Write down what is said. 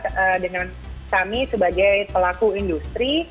terus berdiskusi mbak dengan kami sebagai pelaku industri